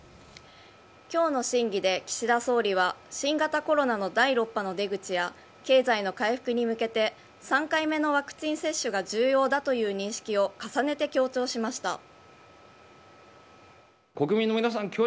今日の審議で岸田総理は新型コロナの第６波の出口や経済の回復に向けて３回目のワクチン接種が重要だという認識を重ねて強調しました。